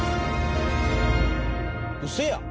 ウソやん！？